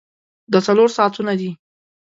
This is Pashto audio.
دا څلور ساعتونه دي.